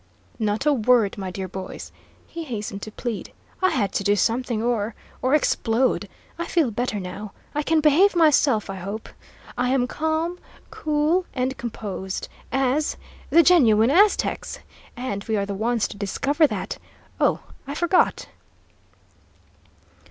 "Not a word, my dear boys," he hastened to plead. "I had to do something or or explode! I feel better, now. I can behave myself, I hope. I am calm, cool, and composed as the genuine Aztecs! And we are the ones to discover that oh, I forgot!"